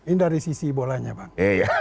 ini dari sisi bolanya bang